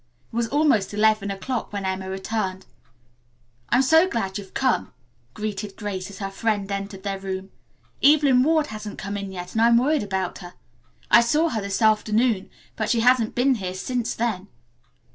It was almost eleven o'clock when Emma returned. "I'm so glad you've come," greeted Grace as her friend entered their room. "Evelyn Ward hasn't come in yet and I'm worried about her. I saw her this afternoon, but she hasn't been here since then."